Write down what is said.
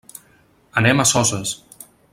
Anem a Soses.